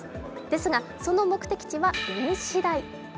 ですが、その目的地は運次第。